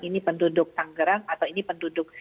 ini penduduk tanggerang atau ini penduduk